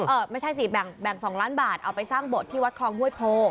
เออไม่ใช่สิแบ่งสองล้านบาทเอาไปสร้างบทที่วัดคลองห้วยโพ